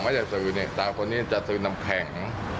ถ้าอยากซื้อเนี่ยสามารถคนนี้จะซื้อน้ำแข็ง